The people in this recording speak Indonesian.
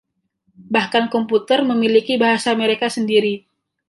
Bahkan komputer memiliki bahasa mereka sendiri.